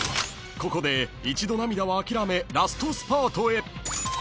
［ここで一度涙は諦めラストスパートへ！］